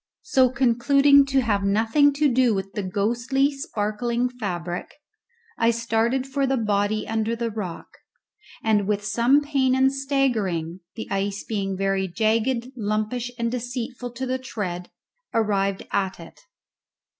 So, concluding to have nothing to do with the ghostly sparkling fabric, I started for the body under the rock, and with some pain and staggering, the ice being very jagged, lumpish, and deceitful to the tread, arrived at it.